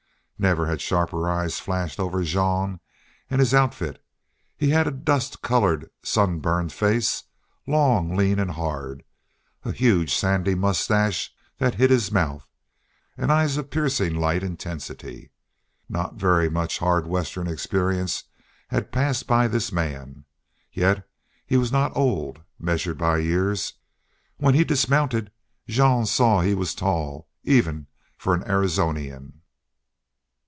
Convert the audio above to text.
Never had sharper eyes flashed over Jean and his outfit. He had a dust colored, sun burned face, long, lean, and hard, a huge sandy mustache that hid his mouth, and eyes of piercing light intensity. Not very much hard Western experience had passed by this man, yet he was not old, measured by years. When he dismounted Jean saw he was tall, even for an Arizonian.